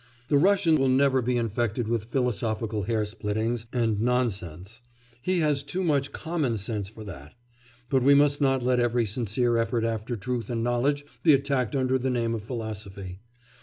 The Russian will never be infected with philosophical hair splittings and nonsense; he has too much common sense for that; but we must not let every sincere effort after truth and knowledge be attacked under the name of philosophy.